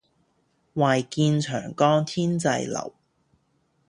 唯見長江天際流